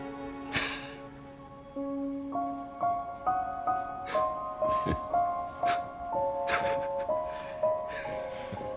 フッフフフ。